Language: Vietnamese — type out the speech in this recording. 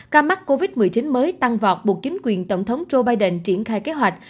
ca mắc covid một mươi chín mới tăng vọt buộc chính quyền tổng thống joe biden triển khai kế hoạch